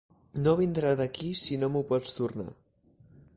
No vindrà d'aquí si no m'ho pots tornar.